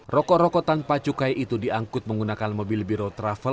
rokok rokok tanpa cukai itu diangkut menggunakan mobil biro travel